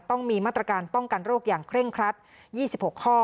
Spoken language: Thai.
ต้องมีมาตรการป้องกันโรคอย่างเคร่งครัด๒๖ข้อ